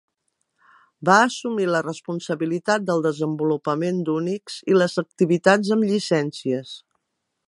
Va assumir la responsabilitat del desenvolupament d'Unix i les activitats amb llicències.